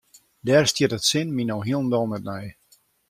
Dêr stiet it sin my no hielendal net nei.